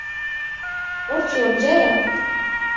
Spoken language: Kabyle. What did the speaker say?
Ur tt-yurǧa ara.